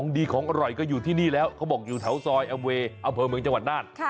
ดีของอร่อยก็อยู่ที่นี่แล้วเขาบอกอยู่แถวซอยแอมเวย์อำเภอเมืองจังหวัดน่าน